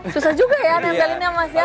susah juga ya nempelinnya mas ya